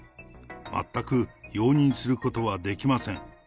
全く容認することはできません。